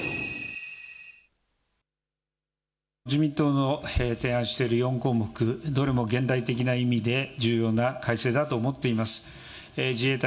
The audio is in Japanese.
自民党の提案している４項目、どれも限定的な意味で重要な改正だと思っています。